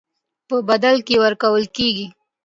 په بدل کې ورکول کېږي.